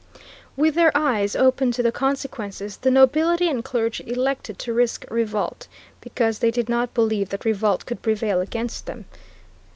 With their eyes open to the consequences, the Nobility and Clergy elected to risk revolt, because they did not believe that revolt could prevail against them.